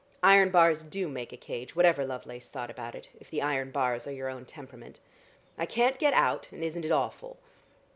Iron bars do make a cage, whatever Lovelace thought about it, if the iron bars are your own temperament. I can't get out, and isn't it awful?"